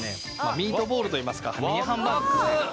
ミートボールといいますかミニハンバーグですね